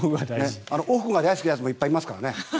オフが大好きな人もいっぱいいますからね。